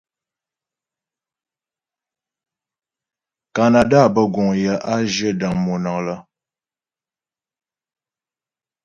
Kanada bə́ guŋ yə a zhyə dəŋ monəŋ lə́.